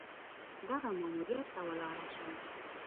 دغه ماموریت ته ولاړه شم.